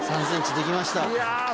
３ｃｍできました。